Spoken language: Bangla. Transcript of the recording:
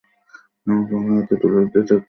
আমাকে উনার হাতে তুলে দিতে চাচ্ছেন?